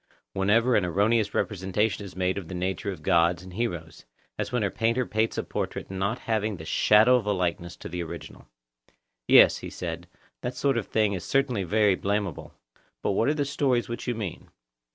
Whenever an erroneous representation is made of the nature of gods and heroes,—as when a painter paints a portrait not having the shadow of a likeness to the original. Yes, he said, that sort of thing is certainly very blameable; but what are the stories which you mean?